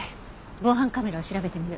防犯カメラを調べてみる。